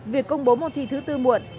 việc công bố môn thi thứ tư muộn